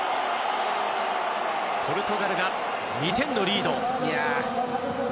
ポルトガルが２点のリード。